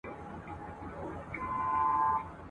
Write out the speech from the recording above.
نه له ویري سوای له غاره راوتلای !.